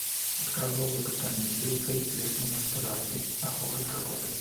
Адказваў за пытанні сельскай і лясной гаспадаркі, аховы прыроды.